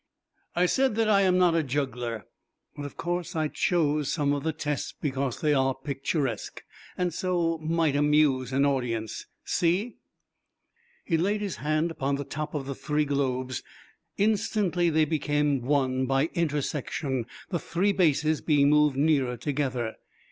I said that I am not a juggler, but of course I chose some of the tests because they are picturesque, and so might amuse an audience. See." He laid his hand upon the top of the three globes. Instantly they became one by intersection, the three bases being moved nearer together.